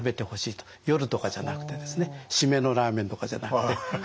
夜とかじゃなくてですね締めのラーメンとかじゃなくて。